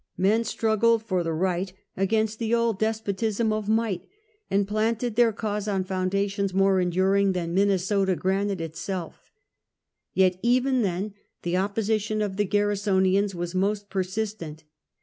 Men strug gled for the Right against the old despotism of Might, and planted their cause on foundations more enduring than Minnesota granite itself. Yet, even then, the opposition of the Garrisonians was most persistent.